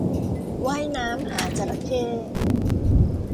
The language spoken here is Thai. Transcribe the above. ว่ายน้ำหาจระเข้